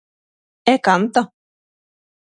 E canta.